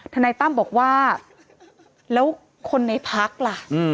นายตั้มบอกว่าแล้วคนในพักล่ะ